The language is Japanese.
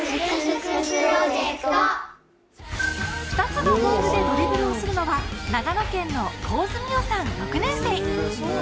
２つのボールでドリブルをするのは長野県の神津深桜さん、６年生。